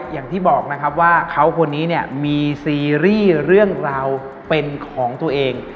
อย่างที่บอกว่าเขาคนนี้มีซีรีส์เรื่องราวเป็นของตัวเอง